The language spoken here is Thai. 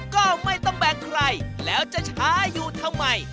ก็ไม่ต้องแบ่งใครแล้วจะช้าอยู่ทำไม